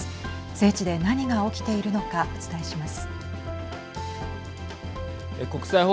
聖地で何が起きているのかお伝えします。